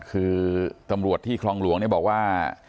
คือตำรวจที่คลองหลวงบอกว่า